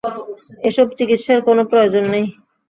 এসব চিকিৎসার কোনো প্রয়োজন নেই।